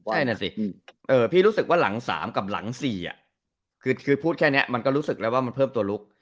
ใช่นะสิพี่รู้สึกว่าหลัง๓กับหลัง๔คือพูดแค่นี้มันก็รู้สึกแล้วว่ามันเพิ่มตัวลุก